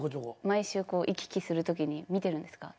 毎週行き来する時に見てるんですか？